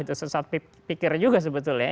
itu sesat pikir juga sebetulnya